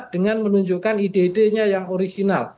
dengan menunjukkan ide idenya yang orisinal